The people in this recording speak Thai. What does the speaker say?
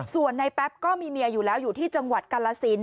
ส่วนในแป๊บก็มีเมียอยู่แล้วอยู่ที่จังหวัดกาลสิน